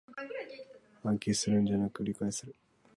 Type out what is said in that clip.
暗記するんじゃなく理解する